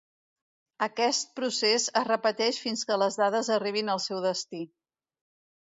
Aquest procés es repeteix fins que les dades arribin al seu destí.